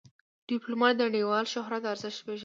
ډيپلومات د نړیوال شهرت ارزښت پېژني.